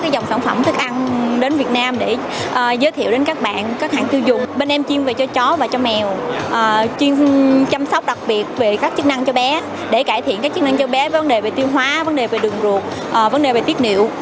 để cải thiện các chức năng cho bé với vấn đề về tiêu hóa vấn đề về đường ruột vấn đề về tiết niệm